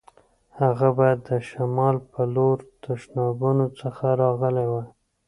هغه باید د شمال په لور تشنابونو څخه راغلی وای.